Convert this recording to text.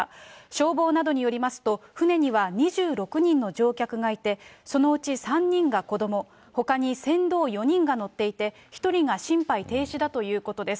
消防などによりますと、舟には２６人の乗客がいて、そのうち３人が子ども、ほかに船頭４人が乗っていて、１人が心肺停止だということです。